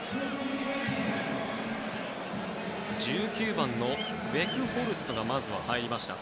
１９番のウェクホルストがまずは入りました。